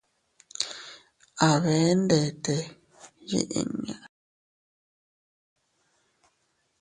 A bee ndete yiʼi inña.